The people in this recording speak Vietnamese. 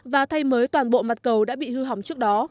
và thay mới toàn bộ mặt cầu đã bị hư hỏng trước đó